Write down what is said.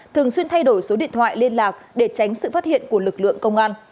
thường xuyên thay đổi số điện thoại liên lạc để tránh sự phát hiện của lực lượng công an